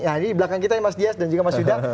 ya ini di belakang kita ya mas dias dan juga mas yudha